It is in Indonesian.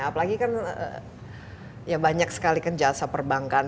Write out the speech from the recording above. apalagi kan ya banyak sekali kan jasa perbankan